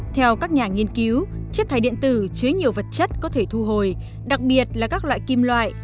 theo các nhà nghiên cứu chất thải điện tử chứa nhiều vật chất có thể thu hồi đặc biệt là các loại kim loại